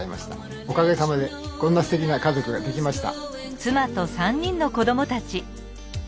おかげさまでこんなすてきな家族ができました。